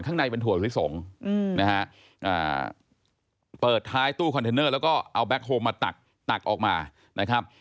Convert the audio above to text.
ข้างในเป็นถั่วลิสงฆ์นะฮะเปิดท้ายตู้คอนเทนเนอร์แล้วก็เอาแก๊คโฮมมาตักตักออกมานะครับ